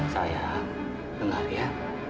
sayang dengar ya